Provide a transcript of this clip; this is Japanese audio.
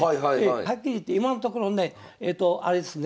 はっきり言って今のところねえとあれですね